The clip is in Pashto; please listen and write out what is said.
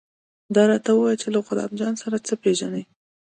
دا راته ووايه چې له غلام جان سره څه پېژنې.